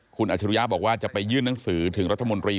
คุณอัชรุยะบอกว่าจะไปยื่นหนังสือถึงรัฐมนตรี